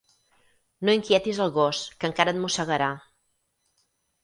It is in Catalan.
No inquietis el gos, que encara et mossegarà.